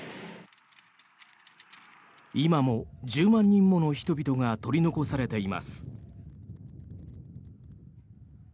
今も１０万人もの人々が取り残されています。